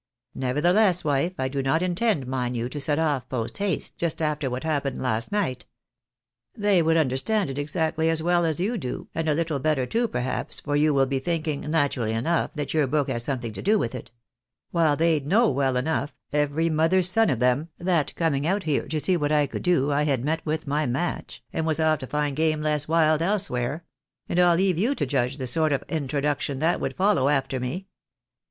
Nevertheless, wife, I do not intend, mind you, to set off post haste, just after what happened last night. They would understand it ex actly as well as you do, and a little better too, perhaps, for you wiU be thinking, naturally enough, that your book has something to do with it ; while they'd know, well enough, every mother's son of them, that coming out here to see what I could do, I had met with my match, and was off to find game less wild elsewhere ; and I'll leave you to judge the sort of introduction that would follow after me.